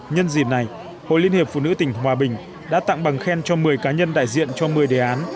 nhân dịp này hội liên hiệp phụ nữ tỉnh hòa bình đã tặng bằng khen cho một mươi cá nhân đại diện cho một mươi đề án